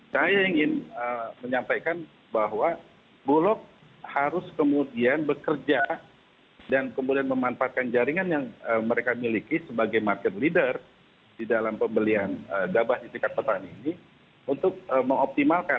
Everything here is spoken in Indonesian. saya ingin menyampaikan bahwa bulog harus kemudian bekerja dan kemudian memanfaatkan jaringan yang mereka miliki sebagai market leader di dalam pembelian gabah di tingkat petani ini untuk mengoptimalkan